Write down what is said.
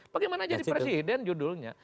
bagaimana jadi presiden judulnya